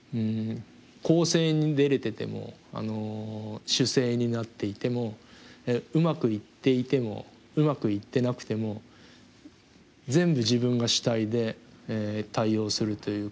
攻勢に出れてても守勢になっていてもうまくいっていてもうまくいってなくても全部自分が主体で対応するということ。